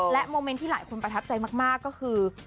โมเมนต์ที่หลายคนประทับใจมากก็คือ